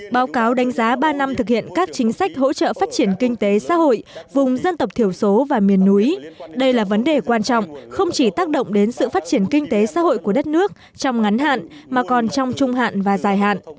báo cáo đánh giá ba năm thực hiện các chính sách hỗ trợ phát triển kinh tế xã hội vùng dân tộc thiểu số và miền núi đây là vấn đề quan trọng không chỉ tác động đến sự phát triển kinh tế xã hội của đất nước trong ngắn hạn mà còn trong trung hạn và dài hạn